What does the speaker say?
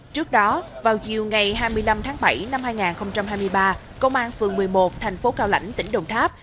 trước đó vào chiều ngày hai mươi năm tháng bảy năm hai nghìn hai mươi ba công an phường một mươi một thành phố cao lãnh tỉnh đồng tháp